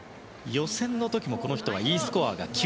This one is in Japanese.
予選の時もこの人はＥスコアが９．４。